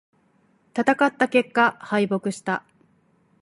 戦った結果、敗北した。